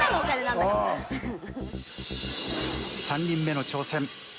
３人目の挑戦